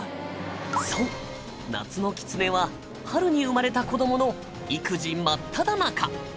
そう夏のキツネは春に生まれた子供の育児真っただ中。